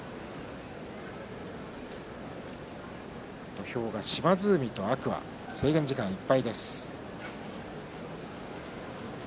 土俵は島津海と天空海制限時間いっぱいです。